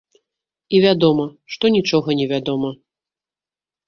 І вядома, што нічога невядома.